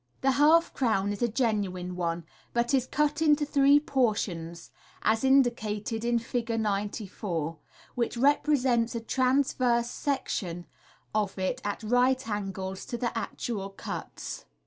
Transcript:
The half crown is a genuine one, but is cut into three portions, as indicated in Fig. 94, which represents a transverse section of it at right angles to the actual cuts.